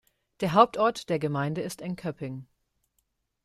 Der Hauptort der Gemeinde ist Enköping.